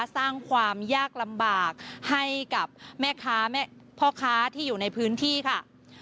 สร้างความยากลำบากให้กับแม่ค้าพ่อค้าที่อยู่ในพื้นที่ค่ะ